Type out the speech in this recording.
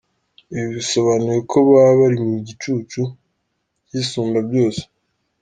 Ibi bisobanuye ko baba bari mu gicucu cy’Isumbabyose.